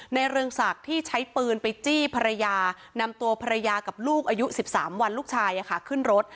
เรืองศักดิ์ที่ใช้ปืนไปจี้ภรรยานำตัวภรรยากับลูกอายุ๑๓วันลูกชายขึ้นรถ